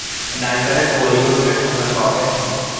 নাইজারের পলীয় যুগের সন্ধান পাওয়া গেছে।